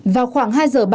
vào khoảng hai giờ